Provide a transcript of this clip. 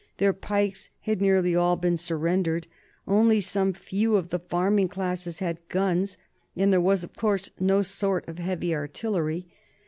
Their pikes had nearly all been surrendered; only some few of the farming class had guns; and there was, of course, no sort of heavy artillery.